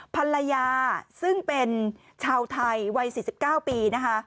ภรรยาซึ่งเป็นชาวไทยวัย๔๙ปีนะคะ